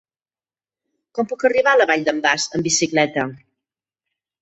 Com puc arribar a la Vall d'en Bas amb bicicleta?